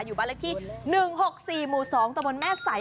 อยู่บ้านเลขที่๑๖๔หมู่๒ตะบนแม่ใส